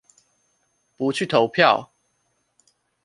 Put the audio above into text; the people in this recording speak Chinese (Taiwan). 不去投票！